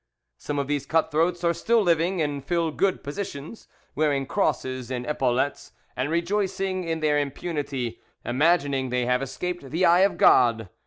Some of these cut throats are still living, and fill good positions, wearing crosses and epaulets, and, rejoicing in their impunity, imagine they have escaped the eye of God.